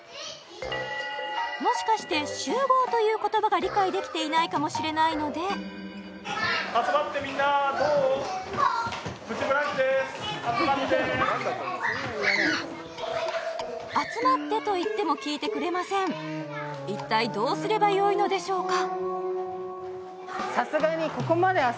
もしかして「集合」という言葉が理解できていないかもしれないので集まって一体どうすればよいのでしょうか